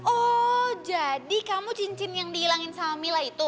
oh jadi kamu cincin yang dihilangin sama mila itu